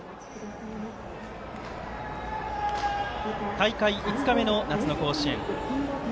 大会５日目の夏の甲子園。